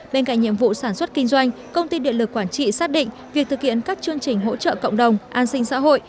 bên cạnh nhiệm vụ sản xuất kinh doanh công ty điện lực quảng trị xác định việc thực hiện các chương trình hỗ trợ cộng đồng an sinh xã hội